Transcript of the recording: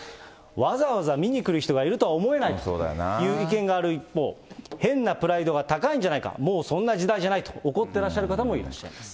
わざわざ見に来る人がいるとは思えないという意見がある一方、変なプライドが高いんじゃないか、もうそんな時代じゃないと、怒ってらっしゃる方もいらっしゃいます。